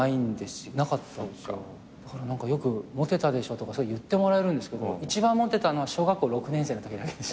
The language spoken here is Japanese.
だからよく「モテたでしょ」とか言ってもらえるんですけど一番モテたのは小学校６年生のときだけでした。